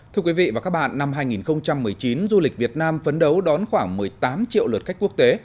thưa quý vị và các bạn năm hai nghìn một mươi chín du lịch việt nam phấn đấu đón khoảng một mươi tám triệu lượt khách quốc tế